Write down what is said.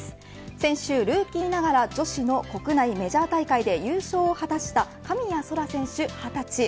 先週、ルーキーながら女子の国内メジャー大会で優勝を果たした神谷そら選手、２０歳。